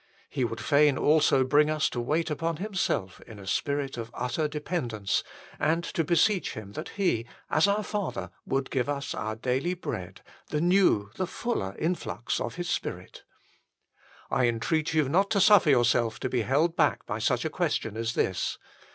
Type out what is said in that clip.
He would fain also bring us to 142 THE FULL BLESSING OF PENTECOST wait upon Himself in a spirit of utter depend ence, and to beseech Him that He as our Father would give us our daily bread, the new, the fuller influx of His Spirit. I entreat you not to suffer yourself to be held back by such a question as this.